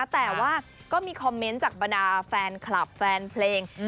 แต่ว่าก็มีคอมเมนต์จากบรรดาแฟนคลับแฟนเพลง